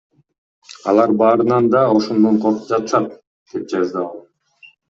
Алар баарынан да ошондон коркуп жатышат, — деп жазды ал.